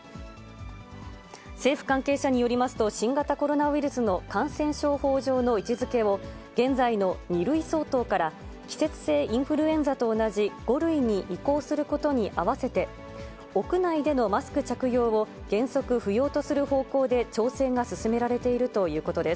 政府関係者によりますと、新型コロナウイルスの感染症法上の位置づけを、現在の２類相当から季節性インフルエンザと同じ５類に移行することにあわせて、屋内でのマスク着用を原則不要とする方向で調整が進められているということです。